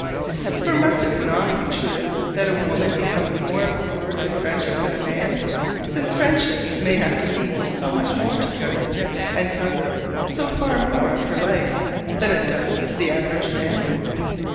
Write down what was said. For must it not be true that a woman becomes more absorbed in friendship than a man, since friendship may have to mean so much more to her, and cover so far more of her life, than it does to the average man?